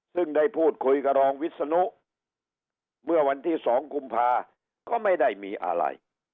ซึ่งได้พูดคุยกับรองวิศนุเมื่อวันที่๒กุมภาก็ไม่ได้มีอะไร